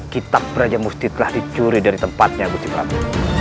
kitab raja musti telah dicuri dari tempatnya guci prabu